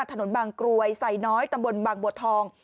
ถนนบางกรวยไซน้อยตำบลบางบัวทอง